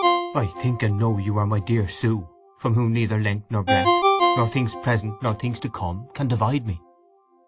"I think and know you are my dear Sue, from whom neither length nor breadth, nor things present nor things to come, can divide me!"